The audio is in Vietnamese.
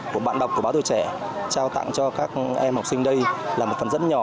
của bạn đọc của báo tuổi trẻ trao tặng cho các em học sinh đây là một phần rất nhỏ